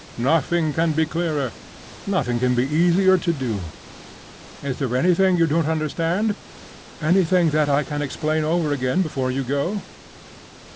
Nothing can be clearer—nothing can be easier to do. Is there anything you don't understand? Anything that I can explain over again before you go?"